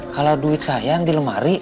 kalau duit sayang di lemari